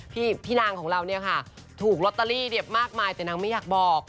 พี่นางของเราเนี่ยค่ะถูกลอตเตอรี่มากมายแต่นางไม่อยากบอก